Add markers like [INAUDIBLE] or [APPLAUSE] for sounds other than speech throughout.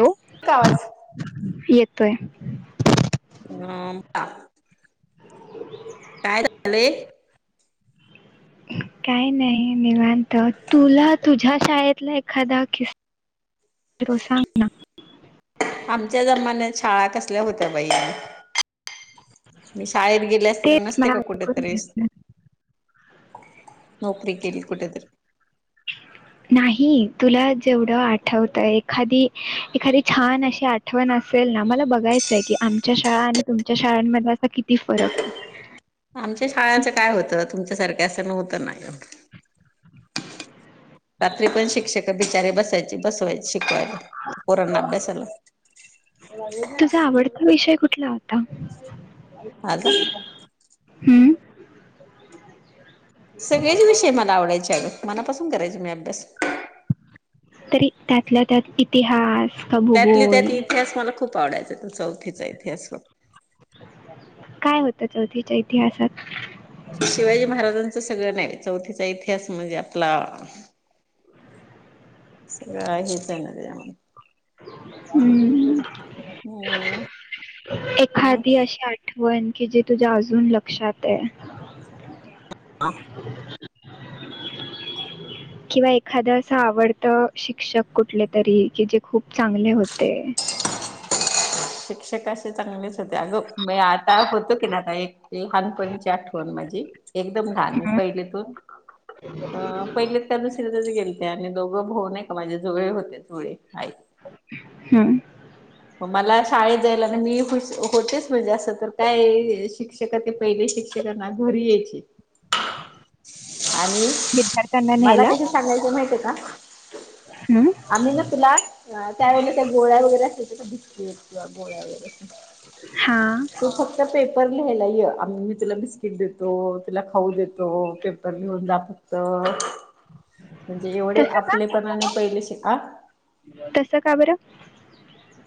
Hello का आवाज येतोय नोमटा [UNINTELLIGIBLE] [UNINTELLIGIBLE] काय नाही निवांत तुला तुझ्या शाळेतल एखादा किस्सा सांग ना आमच्या जमान्यात शाळा कसल्या होत्या बाई मी शाळेत गेले असते तर तेच नसते मला का कुठ ऐकून तरी घ्यायचं नोकरी केली कुठ तरी [INAUDIBLE] नाही तुला जेवढं आठवतंय एखादी एखादी छान अशी आठवण असेल ना मला बघायचंय की आमच्या शाळा आणि तुमच्या शाळांमध्ये असा किती फरक आहे आमच्या शाळांच काय होत तुमच्या सारखा असं नव्हता ना एवढं रात्री पण शिक्षक बिचारे बसायची बसवायची शिकवायला पोरांना अभ्यासाला तुझा आवडता विषय कुठला होता आता हू सगळेच विषय मला आवडायचे अग मनापासून करायचे मी अभ्यास तरी त्यातल्या त्यात इतिहास का त्यातली भूगोल त्यातली इतिहास मला खूप आवडायचा तो चौथीचा इतिहास हो काय होतं चौथीच्या इतिहासात शिवाजी महाराजांचं सगळं नाही चौथीचा इतिहास म्हणजे आपला सगळं हेच आहे न त्याच्यामध्ये हू हो एखादी अशी आठवण की जी तुझ्या अजून लक्षात हाय आ किव्वा एखाद असं आवडत शिक्षक कुठले तरी की जे खूप चांगले होते शिक्षक अशे चांगलेच होते अगं मी आता होतो की ना एक एक लहानपणीची आठवण माझी एकदम लहान मी हं. पहिलेतून अ पहिलीत का दुसरीतच गेलते आणि दोघं भाऊ नाही का माझे जुळे होते जुळे आहेत हू मग मला शाळेत जायला ना मी खुश होतेच म्हणजे असं तर काय शिक्षका ते पहिले शिक्षका ना घरी यायचे विद्याथ्यांना मला न्यायला कसे सांगायचे माहितये का हू आम्ही ना तुला त्यावेेळे त्या गोळ्या वगैरे असायच्या बिस्कीट किंवा गोळ्या वगैरे हा. तू फक्त पेपर लिहायला ये, आम्ही तुला बिस्किट देतो, तुला खाऊ देतो पेपर तुला लिहून दाखवतो, म्हणजे एवढे तसं का आपले पण पहिले से आ तसं का बर?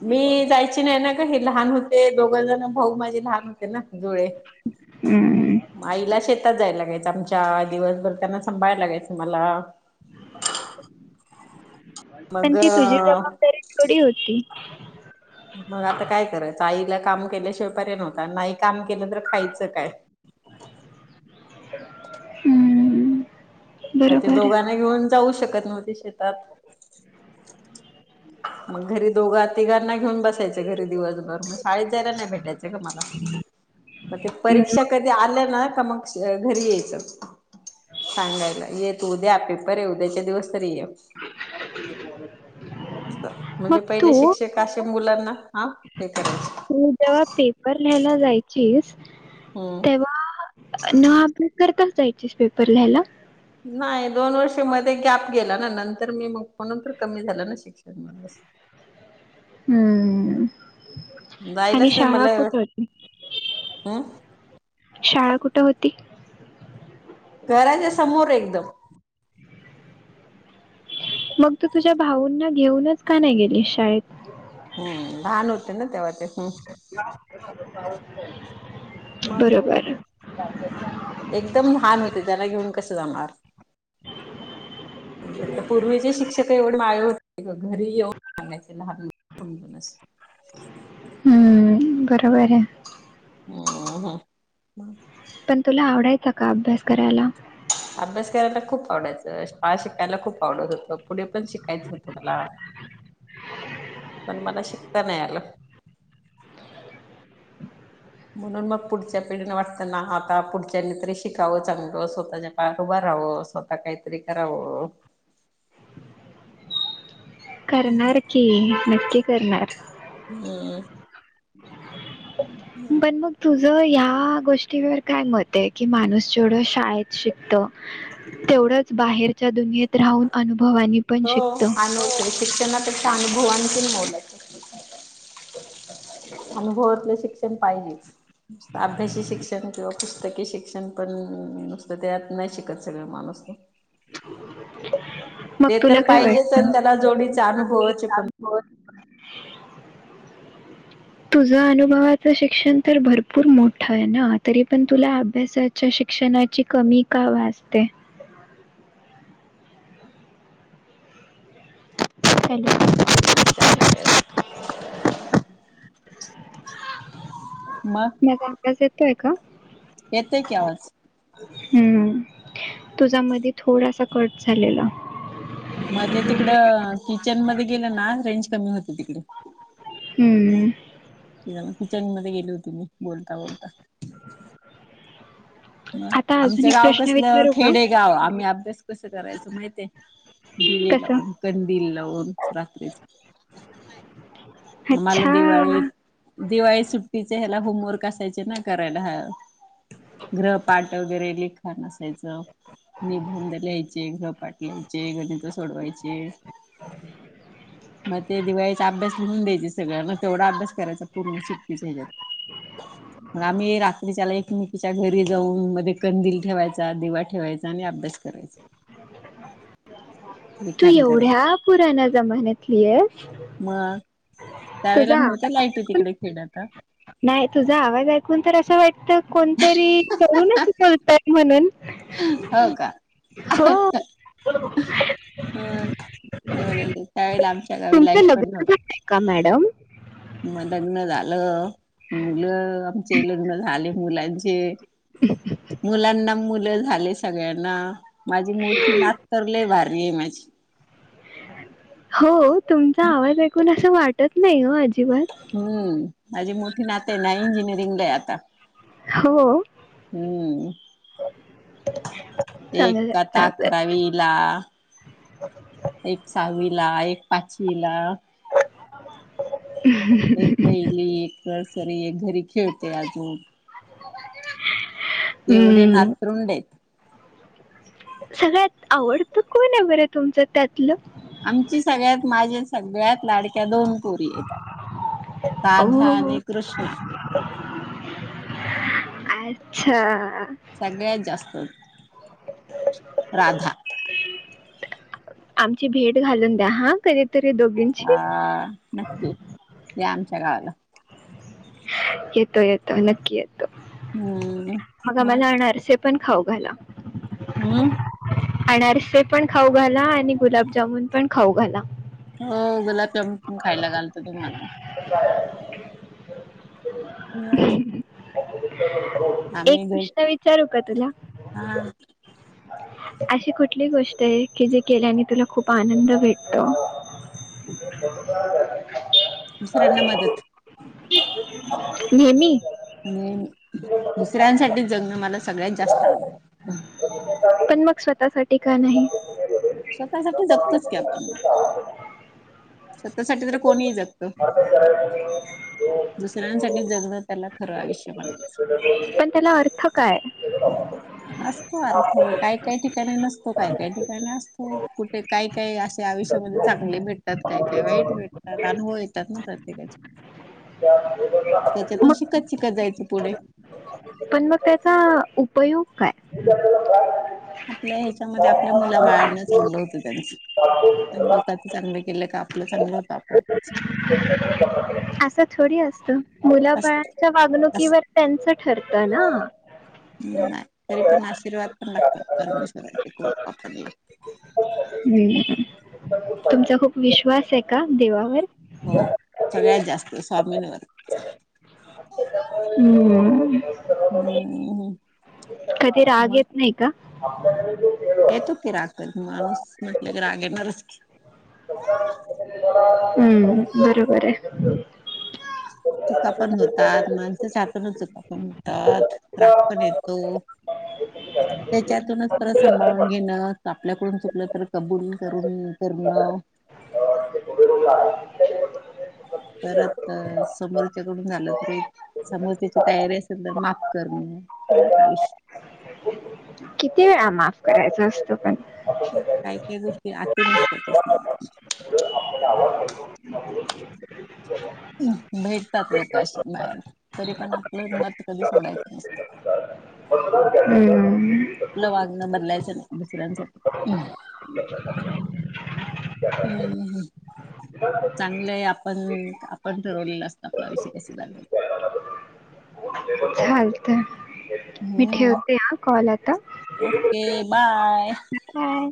मी जायची नाही ना काही लहान होते दोघ जण, भाऊ माझे लहान होते ना जुळे. हं. आईला शेतात जाया लागायचं आमच्या दिवसभर, त्यांना सांभाळाय लागायचं मला. पण मग ती तुझी जबाबदारी थोडी होती? मग आता काय करायचं आईला काम केल्याशिवाय पर्याय नव्हता, नाय काम केलं तर खायचं काय? हम्म. मग ते दोघांना घेऊन जाऊ शकत नव्हते शेतात. मग घरी दोघं तिघांना घेऊन बसायच घरी दिवसभर, मग शाळेत जायला नाही भेटायचं गं मला. मग ते परीक्षा हं. कधी आल्या ना, का मग घरी यायचं. सांगायला येे तू उद्या पेपर आहे, उद्याच्या दिवस तरी ये. [INAUDIBLE] म्हणजे मग तू पहिले शिक्षक असे मुलांना, आ? हे करायचे. तेव्हा पेपर लिहायला जायची हम्म. तेव्हा ना हस करत असायचीच पेपर लिहायला? नाही दोन वर्ष मध्ये गॅप गेला ना नंतर मी मग म्हणून तर कमी झाला ना शिक्षण. तर मला असं हम्म. आणि जायलाच नाही शाळा मला कुठ होती? हम् शाळा कुठं होती? घराच्या समोर एकदम. मग तू तुझ्या भाऊंना घेऊनच का नाही गेली शाळेत? हम्म लहान होते ना तेव्हा ते हम्म. मग बरोबर. एकदम लहान होते, त्याला घेऊन कसं जाणार? त्यात एक तर पूर्वीचे शिक्षक एवढे नाय ओ घरी येऊन सांगायचे लहान समजूनच. हम्म घराबाहेर हे. अम्म ह. पण तुला आवडायचां का अभ्यास करायला? अभ्यास करायला खूप आवडायचं, शळा शिकायला खूप आवडत होतं. पुढे पण शिकायचं होत मला, पण मला शिकता नाही आलं. म्हणून मग पुढच्या पिढीनं वाटतं ना आता पुढच्यांनी तरी शिकाव चांगलं स्वतःच्या पायावर उभा राहव अस का काय तरी कराव. करणार की नक्की करणार. हम्म. बण म तुझ ह्या गोष्टीवर काय मत आहे? की माणूस जेवढं शाळेत शिकतो. तेवढच बाहेरच्या दुनियेत राहून अनुभव आणि हो अनु शिक्षणाचा अनुभव आणकी मोल आहे. अनुभवातलं शिक्षण पाहिजेच. नुस्ता अभ्यासी शिक्षण किंवा पुस्तकी शिक्षण. पण नुसतं त्यात नाही शिकत सगळे माणूस तो. [INAUDIBLE] ते तर काय पाहिजेच आणि वाटतं त्याला जोडीचे अनुभवाचे पण [UNINTELLIGIBLE] तुझं अनुभवाचं शिक्षण तर भरपूर मोठं आहे ना तरी पण तुला अभ्यासात च्या शिक्षणाची कमी का भासते हॅलो माणूस काय ना काय अस मग माझा आवाज येतोय का येतय की आवाज. हू तुझा मधी थोडासा कट झालेला मध्ये तिकड किचन मध्ये गेलं ना रेंज कमी होते तिकडे हू किचन मध्ये गेली होती मी बोलता बोलता [INAUDIBLE] म अजून आमचं एक गाव प्रश्न कसलं विचारू का खेडे गाव आम्ही अभ्यास कसं करायचो माहितये का दिवे कसं लावून कंदील लावून रात्रीच आम्हाला अच्छा दिवाळी दिवाळी सुट्टीचे ह्याला होमवर्क असायचे ना करायला हा ग्रहपाठ वगैरे लिखाण असायचं निबंध लिहायचे गृहपाठ लिहायचे गणित सोडवायचे [INAUDIBLE] मग ते दिवाळीचा अभ्यास लिहून द्यायचे सगळं मग तेवढा अभ्यास करायचा पूर्ण सुट्टीच्या हेच्यात आम्ही रात्रीच्या एकमेकींच्या च्या घरी जाऊन मध्ये कंदील ठेवायचा दिवा ठेवायचा आणि अभ्यास करायचं तू लिखाण एवढ्या पुराण्या जमाण्यातली आहेस मग त्यावेळेला तुझा न्हवत्या आवाज लाईटी ऐकून तिकडे खेड्यात नाही तुझा आवाज ऐकून तर असं वाटत कोणतरी तरूनच बोलताय म्हणून हो हो अ त्यावेळेला आमच्या गावी तुमचं लाईट पण लग्न नव्हती झालंय का मॅडम म लग्न झालं मुलं आमचे लग्न झाले मुलांचे मुलांना मुलं झाले सगळ्यांना माझी मोठी नात तर लय भारी आहे माझी हो तुमचा आवाज ऐकून असं वाटत नाही ओ अजिबात हू माझी मोठी नात आहे ना इंजिनिअरिंगला हाय आता हो हम्म एक चांगलं तर आता चांगलं अकरावीला एक सहावी ला एक पाचवी ला एक पहिली एक नर्सरी एक घरी खेळते अजून एवढे हम्म, नातवंड आहेत सगळ्यात आवडतं कोण आहे बरं तुमचं त्यातलं आमची सगळ्यात माझी सगळ्यात लाडक्या दोन पोरी हायता राधा ओ आणि कृष्णा अच्छा सगळ्यात जास्त राधा आमची भेट घालून द्या हा कधीतरी दोघ. आ नक्की या आमच्या गावाला. येतो येतो नक्की येतो मग आम्हाला अनारसे. पण खाऊ घाला. हमम. अनारसे पण खाऊ घाला आणि गुलाबजामून पण खाऊ घाला. हो गुलाबजामून पण खायला घालतो तुम्हाला. [INAUDIBLE] ह. एक घ प्रश्न विचारू का तुला. हा अशी कुठली गोष्ट आहे की जे केल्याने तुला खूप आनंद भेटतो. [INAUDIBLE] दुसऱ्यांना मदत नेहमी. नेहमी दुसऱ्यांसाठी जगणं मला सगळ्यात जास्त आवडतं. पण मग स्वतःसाठी का नाही. स्वतःसाठी जगतोच की आपण स्वतःसाठी तर कोणीही जगत [INAUDIBLE] [INAUDIBLE] दुसऱ्यांसाठी जगणं त्याला खरं आयुष्य म्हनायचं. पण. त्याला अर्थ काय. असतो अर्थ काय काय ठिकाणी नसतो काय काय ठिकाणी असतो कुठे काय काय अशे आयुष्यामध्ये चांगले भेटतात काय काय वाईट भेटतात अनुभव येतात ना प्रत्येकाचे. [INAUDIBLE] त्याच्यातून शिकत शिकत जायचं पुढे. अन मग त्याचा उपयोग काय. आपल्या ह्याच्यामध्ये आपल्या मुला बाळणं चांगलं होतं त्यांचं. लोकांच चांगलं केलं का आपलं चांगलं होतं आपोआपच असं थोडी असतं. मुला असत बाळांच्या अस वागणुकीवर त्यांचं ठरतं ना. ह् नाही तरी पण आशीर्वाद पण लागतात परमेश्वराचे खूप हंम तुमचा खूप विश्वास हाय का देवावर. हो सगळ्यात जास्त स्वामींवर. होम. कधी राग येत नाही का. येतो की राग कधी माणूस म्हटलं की राग येणारच की. हुंम बरोबर हाय. चुका पण होतात माणसच्या हातून चुका पण होतात. राग पण येतो. [INAUDIBLE] त्याच्यातूनच परत सांभाळून घेणं आपल्याकडून चुकलं तर कबूल करून करणं. [INAUDIBLE] परत समोरच्याकडून झालं तरी समोरच्याची तयारी असेल तर माफ करणं त्यालाच आयुष्य. किती वेळा माफ करायचं असतं पण काय काय गोष्टी आते नस [INAUDIBLE] भेटतात लोक अशी बाहेर, तरी पण आपलं मत कधी सोडायचं नसत. हम्म आपलं वागणं बदलायचं नाय दुसऱ्यासाठी... हृ.. हम्म.. हम्.. चांगलंय आपण.. आपण ठरवलेलं असतं आपलं आयुष्य कसं जगायचं. चालतय.. मी ठेवते हा कॉल आता ओ. के. Bye bye